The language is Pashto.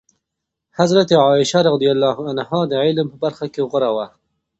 حضرت عایشه رضي الله عنها د علم په برخه کې غوره وه.